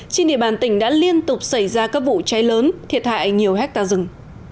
trên địa bàn tỉnh đã liên tục xảy ra các vụ cháy lớn thiệt hại nhiều hectare rừng